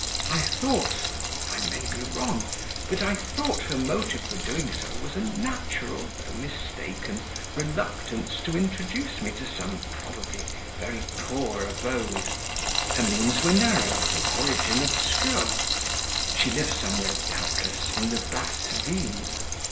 I thought I may be wrong but I THOUGHT her motive for doing so, was a natural, though mistaken reluctance to introduce me to some, probably, very poor abode; her means were narrow, her origin obscure; she lives somewhere, doubtless, in the 'basse ville.